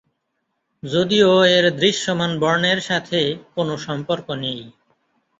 যদিও এর দৃশ্যমান বর্ণের সাথে কোনো সম্পর্ক নেই।